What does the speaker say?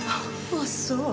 あっそう。